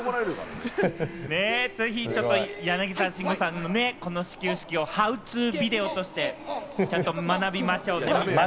続いて柳沢慎吾さんのこの始球式をハウトゥビデオとしてちゃんと学びましょうね。